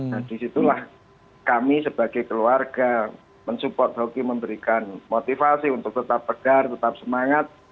nah disitulah kami sebagai keluarga mensupport hoki memberikan motivasi untuk tetap tegar tetap semangat